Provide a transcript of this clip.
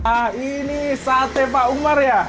ah ini sate pak umar ya